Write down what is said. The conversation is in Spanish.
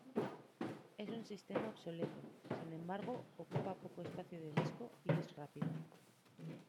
Es un sistema obsoleto, sin embargo ocupa poco espacio de disco y es rápido.